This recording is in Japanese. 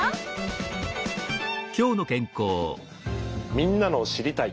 みんなの「知りたい！」